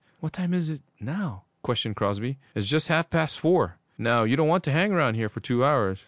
What time is it now?' questioned Crosby. 'It's just half past four. Now, you don't want to hang round here for two hours.